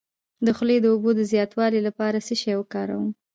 د خولې د اوبو د زیاتوالي لپاره څه شی وکاروم؟